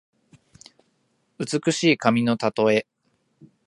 美しい髪のたとえ。